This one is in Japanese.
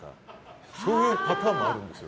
そういうパターンもあるんですよ。